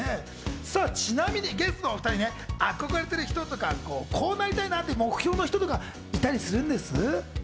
ちなみにゲストのお２人ね、憧れてる人とか、こうなりたいなという目標の人とかいたりするんです？